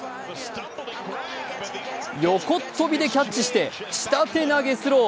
横っ飛びでキャッチして下手投げスロー。